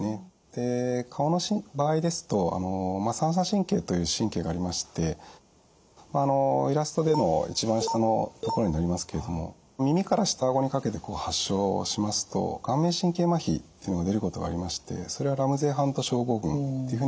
で顔の場合ですと三叉神経という神経がありましてイラストでの一番下のところになりますけれども耳から下顎にかけて発症しますと顔面神経まひっていうのが出ることがありましてそれはラムゼイ・ハント症候群っていうふうに呼ばれています。